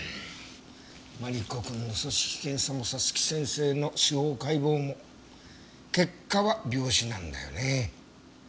マリコ君の組織検査も早月先生の司法解剖も結果は病死なんだよねえ。